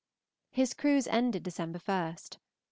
His cruise ended December 1st.